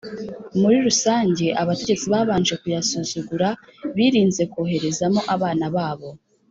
Muri rusange abategetsi babanje kuyasuzugura birinze koherezamo abana babo.